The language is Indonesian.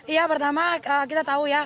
iya pertama kita tahu ya